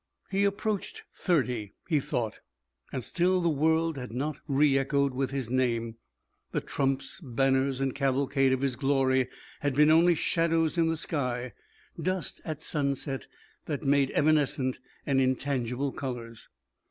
He approached thirty, he thought, and still the world had not re echoed with his name; the trumps, banners, and cavalcade of his glory had been only shadows in the sky, dust at sunset that made evanescent and intangible colours.